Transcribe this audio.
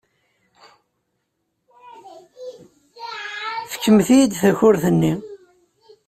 Fkemt-iyi-d takurt-nni!